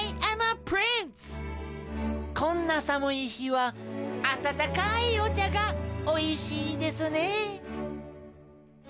こんなさむい日はあたたかいおちゃがおいしいですね。